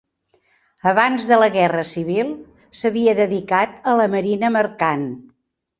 Abans de la Guerra Civil, s'havia dedicat a la marina mercant.